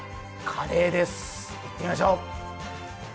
カレーです、いってみましょう。